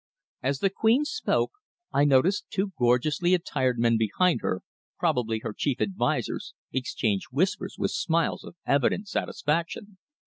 As the queen spoke I noticed two gorgeously attired men behind her, probably her chief advisers, exchange whispers with smiles of evident satisfaction.